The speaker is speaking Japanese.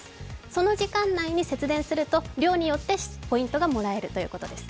その時間内に節電すると量によってポイントがもらえるということです。